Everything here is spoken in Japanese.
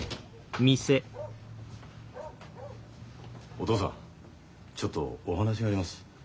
お父さんちょっとお話があります。